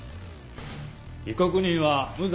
被告人は無罪。